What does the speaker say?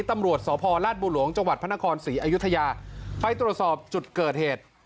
ตำรวจสพลาดบุหลวงจังหวัดพระนครศรีอยุธยาไปตรวจสอบจุดเกิดเหตุ